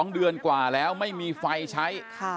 ๒เดือนกว่าแล้วไม่มีไฟใช้